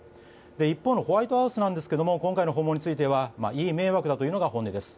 一方のホワイトハウスですが今回の訪問についてはいい迷惑だというのが本音です。